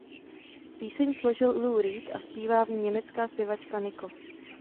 Píseň složil Lou Reed a zpívá v ní německá zpěvačka Nico.